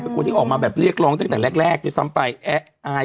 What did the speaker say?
ขอบคุณนะครับขอบคุณนะครับขอบคุณนะครับ